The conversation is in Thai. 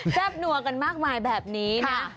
บนัวกันมากมายแบบนี้นะ